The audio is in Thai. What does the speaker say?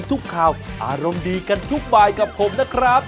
ทุกวันทุกบายกับผมนะครับ